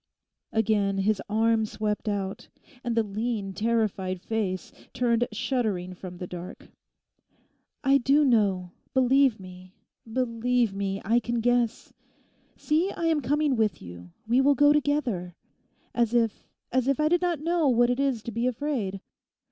Again his arm swept out, and the lean terrified face turned shuddering from the dark. 'I do know; believe me, believe me! I can guess. See, I am coming with you; we will go together. As if, as if I did not know what it is to be afraid.